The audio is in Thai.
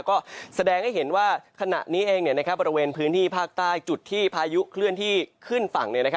ก็แสดงให้เห็นว่าขณะนี้เองบริเวณพื้นที่ภาคใต้จุดที่พายุเคลื่อนที่ขึ้นฝั่ง